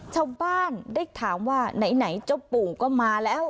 ชาวบ้านได้ถามว่าไหนเจ้าปู่ก็มาแล้ว